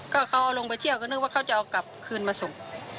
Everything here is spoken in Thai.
ก็เขาลงไปเที่ยวก็นึกว่าเขาจะเอากลับคืนมาส่ง